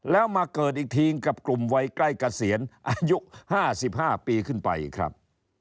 แล้วมาเกิดอีกทีกับกลุ่มวัยใกล้เกษียณอายุ๕๕ปีขึ้นไปครับ